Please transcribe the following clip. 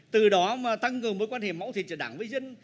từ đó mà tăng cường mối quan hệ mẫu thị trường đảng với dân